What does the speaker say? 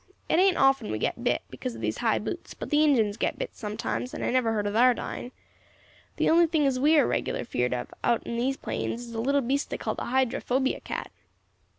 It ain't often we get bit, because of these high boots; but the Injins get bit sometimes, and I never heard of thar dying. The only thing as we are regular feered of out in these plains is a little beast they call the hydrophobia cat."